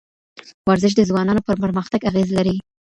ورزش د ځوانانو پر پرمختګ اغېز لري.